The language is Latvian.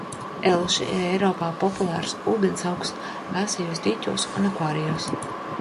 Elši ir Eiropā populārs ūdensaugs vēsos dīķos un akvārijos.